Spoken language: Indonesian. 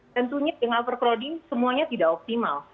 tentunya dengan overcrowding semuanya tidak optimal